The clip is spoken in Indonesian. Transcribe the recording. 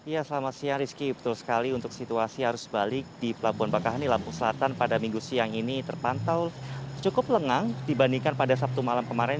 ya selamat siang rizky betul sekali untuk situasi arus balik di pelabuhan bakahani lampung selatan pada minggu siang ini terpantau cukup lengang dibandingkan pada sabtu malam kemarin